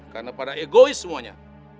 karena pada egois semuanya